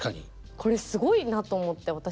これすごいなと思って私。